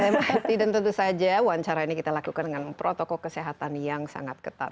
mrt dan tentu saja wawancara ini kita lakukan dengan protokol kesehatan yang sangat ketat